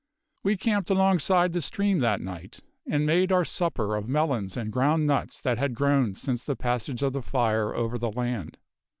We camped alongside the stream that night, and made our supper of melons and ground nuts that had grown since the passage of the fire over the land.